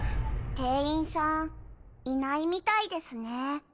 店員さんいないみたいですね。